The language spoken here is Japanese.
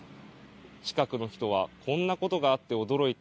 近くの人はこんなことがあって驚いた。